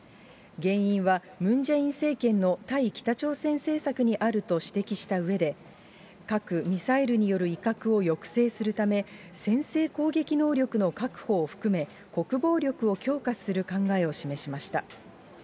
原因はムン・ジェイン政権の対北朝鮮政策にあると指摘したうえで、核・ミサイルによる威嚇を抑制するため、先制攻撃能力の確保を含め、国防力を強化する考えを示しました。